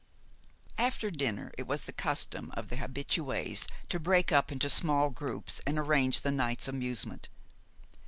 After dinner it was the custom of the habitués to break up into small groups and arrange the night's amusement.